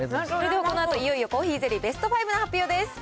このあと、いよいよコーヒーゼリー、ベスト５の発表です。